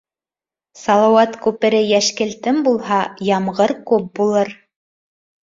Салауат күпере йәшкелтем булһа, ямғыр күп булыр